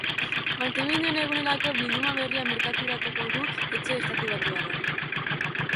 Maiteminduen egunerako bilduma berria merkaturatuko du etxe estatubatuarrak.